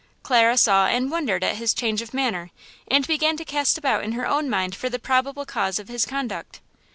Clara saw and wondered at his change of manner, and began to cast about in her own mind for the probable cause of his conduct.